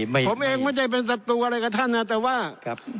ผมเองไม่ได้เป็นศัตรูอะไรกับท่านนะแต่ว่า